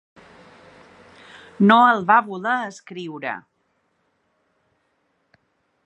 No el va voler escriure.